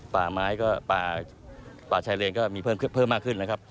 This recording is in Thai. ป่าไม้ก็ป่าชายเลนก็มีเพิ่มมากขึ้นนะครับ